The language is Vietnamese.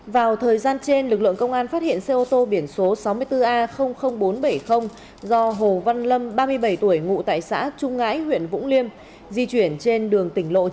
vào thời gian trên lực lượng công an phát hiện xe ô tô biển số sáu mươi bốn a bốn trăm bảy mươi do hồ văn lâm ba mươi bảy tuổi ngụ tại xã trung ngãi huyện vũng liêm di chuyển trên đường tỉnh lộ chín